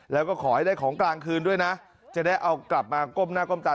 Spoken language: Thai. แล้วก็ขอให้ได้ของกลางคืนด้วยนะจะได้เอากลับมาก้มหน้าก้มตา